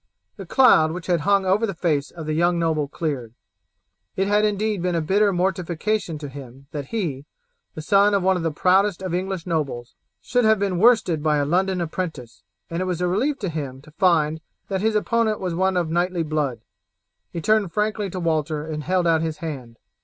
The cloud which had hung over the face of the young noble cleared. It had indeed been a bitter mortification to him that he, the son of one of the proudest of English nobles, should have been worsted by a London apprentice, and it was a relief to him to find that his opponent was one of knightly blood. He turned frankly to Walter and held out his hand.